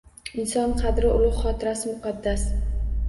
Inson qadri – ulug‘, xotirasi – muqaddas